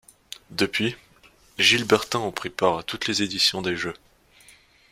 Depuis, les Gilbertins ont pris part à toutes les éditions des Jeux.